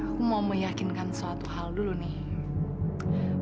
aku mau meyakinkan suatu hal dulu nih